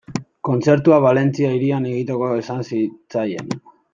Kontzertua Valentzia hirian egiteko esan zitzaien.